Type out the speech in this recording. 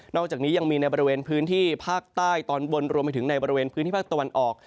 อกจากนี้ยังมีในบริเวณพื้นที่ภาคใต้ตอนบนรวมไปถึงในบริเวณพื้นที่ภาคตะวันออก